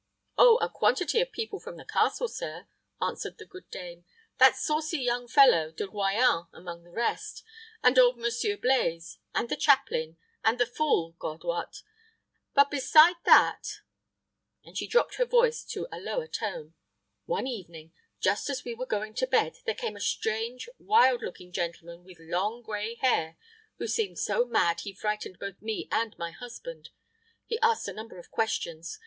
"Oh, a quantity of people from the castle, sir," answered the good dame; "that saucy young fellow De Royans among the rest, and old Monsieur Blaize, and the chaplain, and the fool, God wot! But beside that " and she dropped her voice to a lower tone "one evening, just as we were going to bed, there came a strange, wild looking gentleman, with long gray hair, who seemed so mad he frightened both me and my husband. He asked a number of questions.